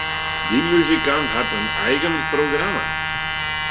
Dy muzikant hat in eigen programma.